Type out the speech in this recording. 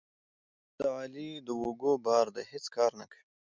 احمد د علي د اوږو بار دی؛ هیڅ کار نه کوي.